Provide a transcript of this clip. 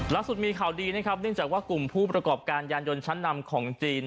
ล่าสุดมีข่าวดีนะครับเนื่องจากว่ากลุ่มผู้ประกอบการยานยนต์ชั้นนำของจีน